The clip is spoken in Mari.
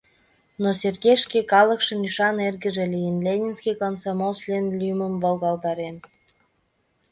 Но Сергей шке калыкшын ӱшан эргыже лийын, Ленинский комсомол член лӱмым волгалтарен.